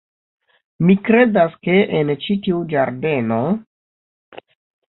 Mi kredas, ke en ĉi tiu ĝardeno...